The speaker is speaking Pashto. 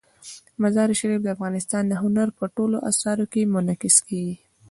مزارشریف د افغانستان د هنر په ټولو اثارو کې منعکس کېږي.